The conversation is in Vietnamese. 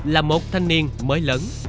là một thanh niên mới lớn